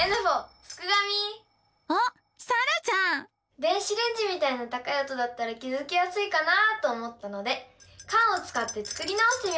電子レンジみたいな高い音だったら気付きやすいかなと思ったのでカンをつかって作り直してみました！